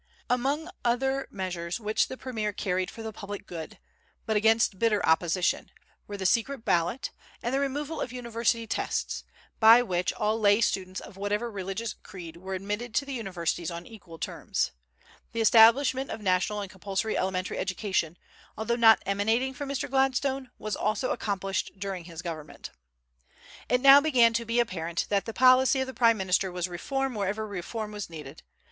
Among other measures which the premier carried for the public good, but against bitter opposition, were the secret ballot, and the removal of University Tests, by which all lay students of whatever religious creed were admitted to the universities on equal terms. The establishment of national and compulsory elementary education, although not emanating from Mr. Gladstone, was also accomplished during his government. It now began to be apparent that the policy of the prime minister was reform wherever reform was needed.